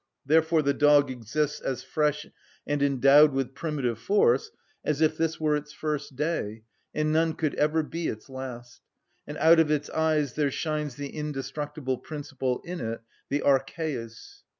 Therefore the dog exists as fresh and endowed with primitive force as if this were its first day and none could ever be its last; and out of its eyes there shines the indestructible principle in it, the archæus.